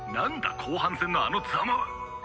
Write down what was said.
後半戦のあのザマは。